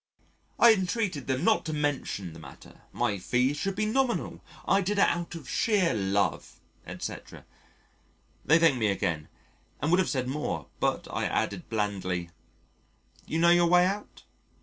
I entreated them not to mention the matter my fee should be nominal I did it out of sheer love, etc. They thanked me again and would have said more but I added blandly: "You know your way out?"